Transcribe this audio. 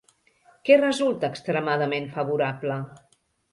Què resulta extremadament favorable?